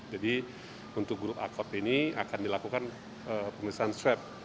jadi untuk grup akot ini akan dilakukan pemirsaan swab